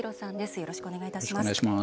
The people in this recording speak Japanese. よろしくお願いします。